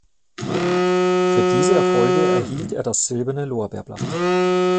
Für diese Erfolge erhielt er das Silberne Lorbeerblatt.